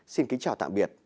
xin kính chào tạm biệt